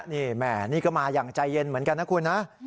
นี่แม่นี่ก็มาอย่างใจเย็นเหมือนกันนะคุณนะ